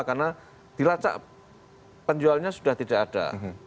karena dilacak penjualnya sudah tidak ada